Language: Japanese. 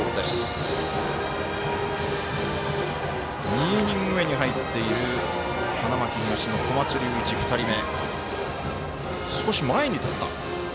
２イニング目に入っている花巻東の小松龍一、２人目。